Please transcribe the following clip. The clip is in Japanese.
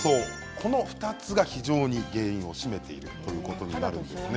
この２つが原因を占めているということなんですね。